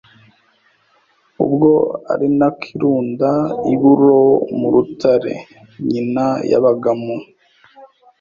ubwo ari nako irunda uburo mu rutare nyina yabagamo